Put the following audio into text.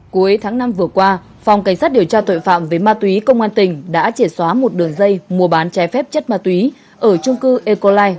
cuối tháng năm vừa qua phòng cảnh sát điều tra tội phạm về ma túy công an tỉnh đã triệt xóa một đường dây mua bán trái phép chất ma túy ở trung cư ecolai